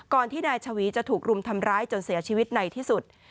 ที่นายชวีจะถูกรุมทำร้ายจนเสียชีวิตในที่สุด